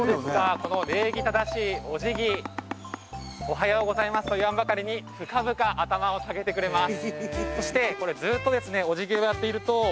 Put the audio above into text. この礼儀正しいお辞儀おはようございますと言わんばかりに深々頭を下げてくれます